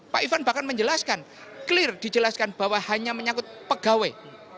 pak ivan bahkan menjelaskan clear dijelaskan bahwa hanya menyakut pegawai